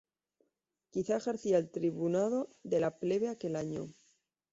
Quizá ejercía el tribunado de la plebe aquel año.